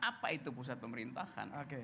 apa itu pusat pemerintahan